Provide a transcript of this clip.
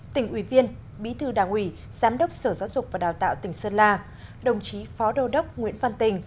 tỉnh ủy viên bí thư đảng ủy giám đốc sở giáo dục và đào tạo tỉnh sơn la đồng chí phó đô đốc nguyễn văn tình